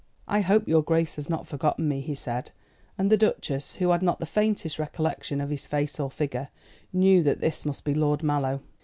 "I hope your grace has not forgotten me," he said; and the Duchess, who had not the faintest recollection of his face or figure, knew that this must be Lord Mallow.